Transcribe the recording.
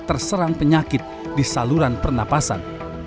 terserang penyakit di saluran pernapasan